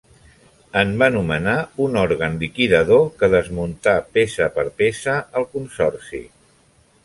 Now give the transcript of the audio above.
En va nomenar un òrgan liquidador, que desmuntà peça per peça el consorci.